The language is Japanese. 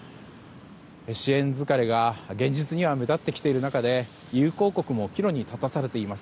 支援疲れが現実には目立ってきている中で友好国も岐路に立たされています。